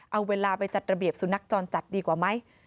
เอาเวลาไปจัดระเบียบสุนัขจรจัดดีกว่าไหม